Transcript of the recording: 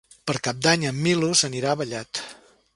Per Cap d'Any en Milos anirà a Vallat.